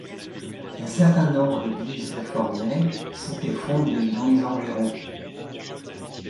Un certain nombre d’églises réformées s’étaient fondées dans les environs.